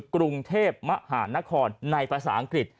กรุงเทพมหานครในภาษาอังกฤษ